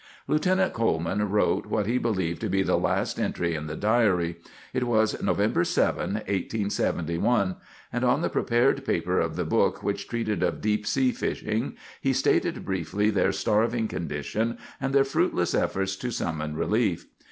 Lieutenant Coleman wrote what he believed to be the last entry in the diary. It was November 7, 1871; and on the prepared paper of the book which treated of deep sea fishing, he stated briefly their starving condition and their fruitless efforts to summon relief.